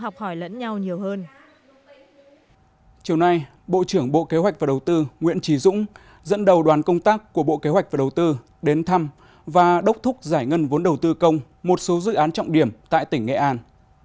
chiều nay bộ trưởng bộ kế hoạch và đầu tư nguyễn trí dũng dẫn đầu đoàn công tác của bộ kế hoạch và đầu tư đến thăm và đốc thúc giải ngân vốn đầu tư công một số dự án trọng điểm tại tỉnh nghệ an